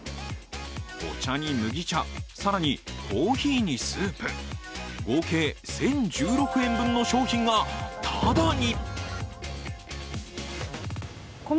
お茶に麦茶、更にコーヒーにスープ、合計１０１６円分の商品がタダに。